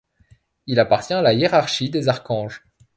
Il appartient à la hiérarchie des Archanges.